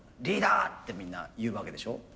「リーダー！」ってみんな言うわけでしょ。